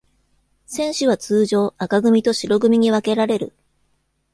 選手は通常、赤組と白組に分けられる。